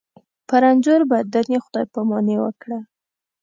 په رنځور بدن یې خدای پاماني وکړه.